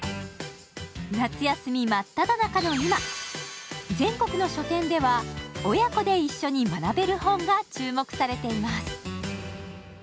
夏休み真っただ中の今、全国の書店では親子で一緒に学べる本が注目されています。